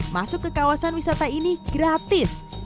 masuk ke kawasan wisata ini gratis